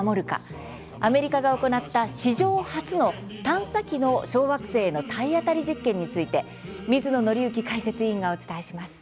アメリカが行った史上初の探査機の小惑星への体当たり実験について水野倫之解説委員がお伝えします。